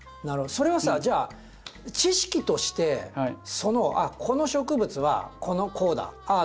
それはさじゃあ知識としてこの植物はこうだああだ